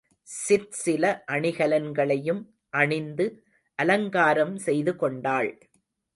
சிற்சில அணிகலன்களையும் அணிந்து அலங்காரம் செய்துகொண்டாள்.